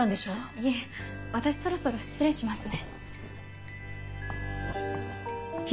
いえ私そろそろ失礼しますね。